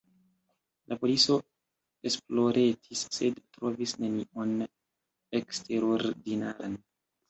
La polico esploretis, sed trovis nenion eksterordinaran.